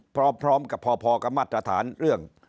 พร้อมกับพอกับมาตรฐานเรื่อง